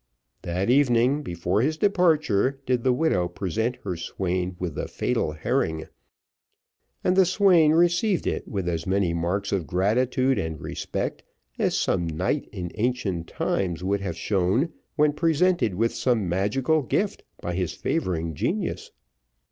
That evening, before his departure, did the widow present her swain with the fatal herring; and the swain received it with as many marks of gratitude and respect, as some knight in ancient times would have shown when presented with some magical gift by his favouring genius.